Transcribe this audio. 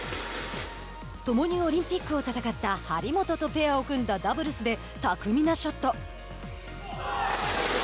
共にオリンピックを戦った張本とペアを組んだダブルスで巧みなショット。